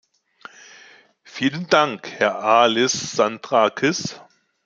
Vielen Dank, Herr Alyssandrakis.